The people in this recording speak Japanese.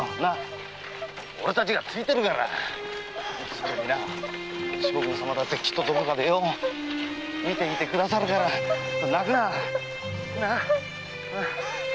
それに将軍様だってきっとどこかで見ていてくださるから泣くな。